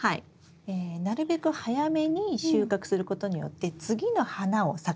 なるべく早めに収穫することによって次の花を咲かせやすい。